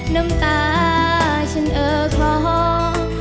น้ำตาฉันเออคล้อง